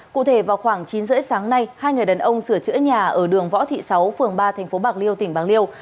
cụ thể vào khoảng chín h ba mươi sáng nay hai người đàn ông sửa chữa nhà ở đường võ thị sáu phường ba tp bạc liêu tỉnh bạc liêu